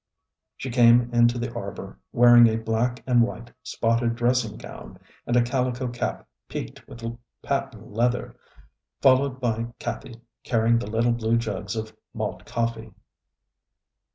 ŌĆØ She came into the arbour wearing a black and white spotted dressing gown, and a calico cap peaked with patent leather, followed by Kathi, carrying the little blue jugs of malt coffee.